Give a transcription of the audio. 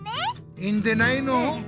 いいんでないの！